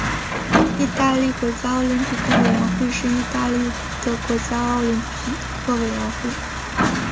意大利国家奥林匹克委员会是意大利的国家奥林匹克委员会。